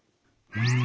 うん。